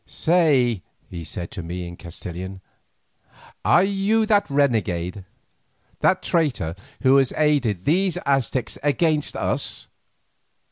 "Say," he said to me in Castilian, "are you that renegade, that traitor who has aided these Aztecs against us?"